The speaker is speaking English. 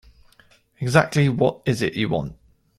Exactly what is it you want?